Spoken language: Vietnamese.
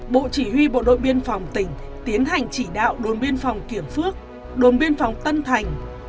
bộ chỉ huy bộ đội biên phòng tỉnh tiến hành chỉ đạo đồn biên phòng kiểm phước đồn biên phòng tân thành